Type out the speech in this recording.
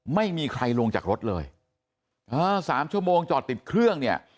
ไม่มีใครลงจากรถเลยอ่าสามชั่วโมงจอดติดเครื่องเนี่ย